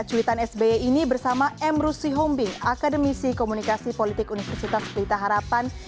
cuitan sby ini bersama m rusi hombing akademisi komunikasi politik universitas berita harapan